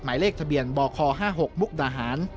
หมายเลขทะเบียนบค๕๖มุกดาหาร